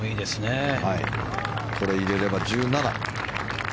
これを入れれば１７。